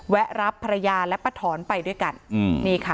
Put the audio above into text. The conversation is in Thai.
แวะรับภรรยาและปฐรไปด้วยกันนี่ค่ะ